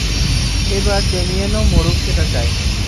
এবার ডেমিয়েনও মরুক সেটা চাই।